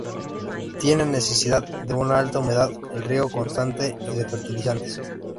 Tiene necesidad de una alta humedad, el riego constante y de fertilizantes.